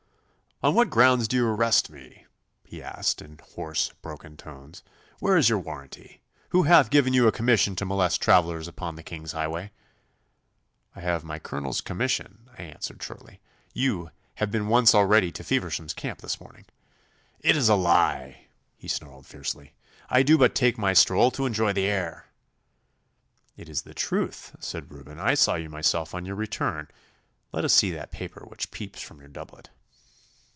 'On what grounds do you arrest me?' he asked, in hoarse, broken tones. 'Where is your warranty? Who hath given you a commission to molest travellers upon the King's highway?' 'I have my Colonel's commission,' I answered shortly. 'You have been once already to Feversham's camp this morning.' 'It is a lie,' he snarled fiercely. 'I do but take a stroll to enjoy the air.' 'It is the truth,' said Reuben. 'I saw you myself on your return. Let us see that paper which peeps from your doublet.